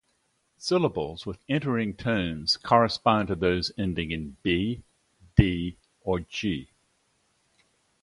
Syllables with entering tones correspond to those ending in "-b", "-d", or "-g".